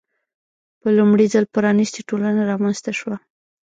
په لومړي ځل پرانیستې ټولنه رامنځته شوه.